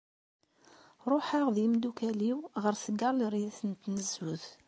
Ruḥeɣ d yemdukal-iw ɣer tgalrit n tnezzut.